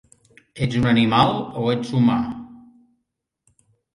Ets un animal o ets humà?